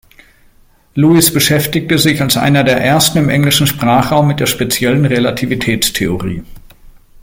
Lewis beschäftigte sich als einer der Ersten im englischen Sprachraum mit der Speziellen Relativitätstheorie.